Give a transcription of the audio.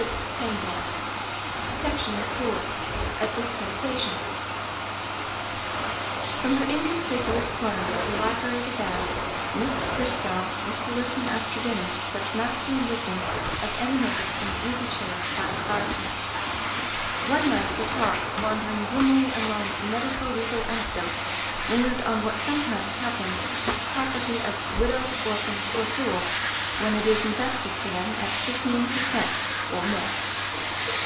1 ^a=Q "* a > A DISPENSATION » From her inconspicuous corner of the library divan Mrs. Bristow used to listen after dinner to such masculine wisdom as emanated from the easy chairs by the fire place. One night the talk, wandering grimly among medico legal anecdotes, lingered on what sometimes happens to the property of widows, orphans, or fools when it is invested for them at fifteen per cent, or more.